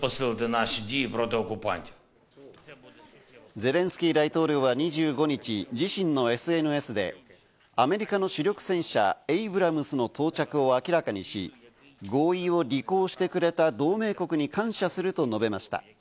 ゼレンスキー大統領は２５日、自身のＳＮＳでアメリカの主力戦車・エイブラムスの到着を明らかにし、合意を履行してくれた同盟国に感謝すると述べました。